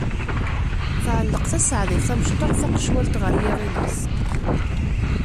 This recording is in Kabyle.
Tɛelleq Tasaɛdit tamecṭuḥt taqecwalt ɣer yiɣil-is.